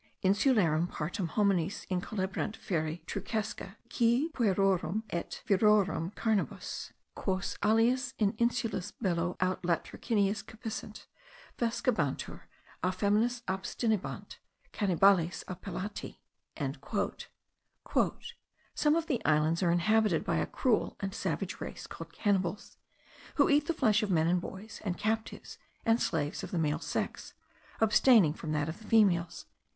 "Insularum partem homines incolebant feri trucesque, qui puerorum et virorum carnibus, quos aliis in insulus bello aut latrociniis cepissent, vescebantur; a feminis abstinebant; Canibales appellati." "Some of the islands are inhabited by a cruel and savage race, called cannibals, who eat the flesh of men and boys, and captives and slaves of the male sex, abstaining from that of females."